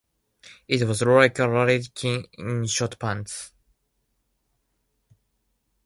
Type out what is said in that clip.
I was like a Larry King in short pants.